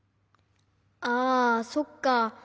あそっか。